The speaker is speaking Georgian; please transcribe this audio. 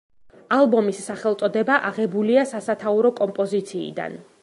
ალბომის სახელწოდება აღებულია სასათაურო კომპოზიციიდან.